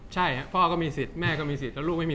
จากความไม่เข้าจันทร์ของผู้ใหญ่ของพ่อกับแม่